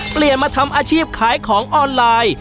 เปลี่ยนมาทำอาชีพขายของออนไลน์